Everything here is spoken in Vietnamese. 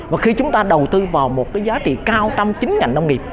và khi chúng ta đầu tư vào một cái giá trị cao trong chính ngành nông nghiệp